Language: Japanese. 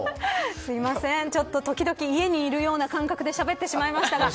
すいません、ちょっと時々家にいるような感覚でしゃべってしまいましたが。